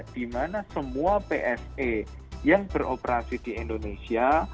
dimana semua bse yang beroperasi di indonesia